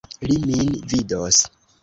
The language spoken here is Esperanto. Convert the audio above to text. Li min vidos!